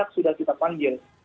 sudah kita panggil